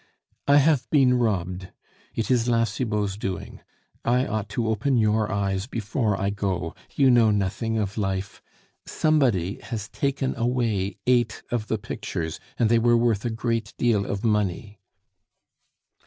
I have been robbed. It is La Cibot's doing.... I ought to open your eyes before I go; you know nothing of life.... Somebody has taken away eight of the pictures, and they were worth a great deal of money."